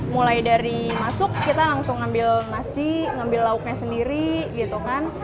mulai dari masuk kita langsung ngambil nasi ngambil lauknya sendiri gitu kan